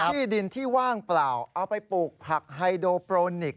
ที่ดินที่ว่างเปล่าเอาไปปลูกผักไฮโดโปรนิกส